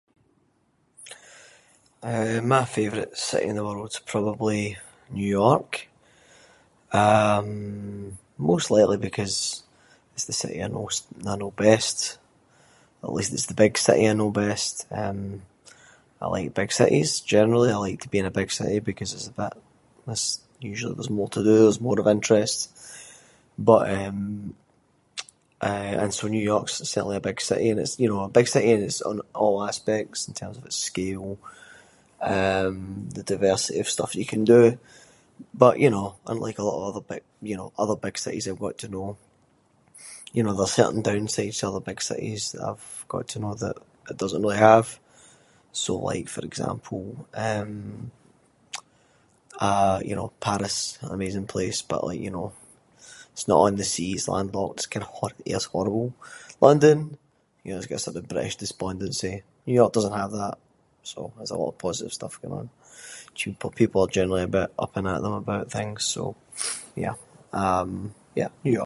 Eh my favourite city in the world’s probably New York, um, most likely because it’s the city I most- I know best. At least it’s the big city I know best. Eh, I like big cities generally, I like to be in a big city because it’s a bit- there’s- usually there’s more to do, there’s more of interest, but eh- eh and so New York’s certainly a big city and it’s, you know, a big city in its- in all aspects, in terms of its scale, eh, the diversity of stuff that you can do. But you know and unlike a lot of other b- other big cities I’ve got to know, you know there’s certain downsides to other big cities that I’ve got to know that it doesn’t really have. So like for example, eh, Paris, an amazing place but like, you know, it’s not on the sea, it’s landlocked, it’s kinda h- the air’s horrible. London? You know it’s got a sort of British despondency, New York doesn’t have that, there’s always a lot of positive stuff going on, people are usally a bit up-and-at-‘em about things, so eh yeah, New York.